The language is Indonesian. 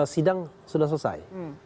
sidang sudah selesai